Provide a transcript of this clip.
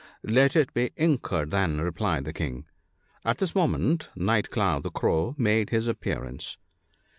"" Let it be incurred then !" replied the King. At this moment Night cloud, the Crow, made his ap pearance.